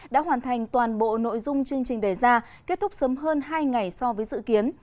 đã hoàn thành toàn bộ nội dung chương trình đề ra kết thúc sớm hơn hai ngày so với dự kiến